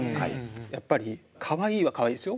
やっぱりかわいいはかわいいですよ。